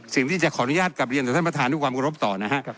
สิ่งที่จะขออนุญาตกลับเรียนต่อท่านประธานด้วยความกรบต่อนะฮะ